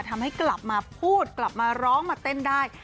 ทำให้กลับมาพูดกลับมาร้องมาเต้นได้